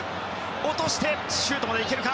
落としてシュートまでいけるか。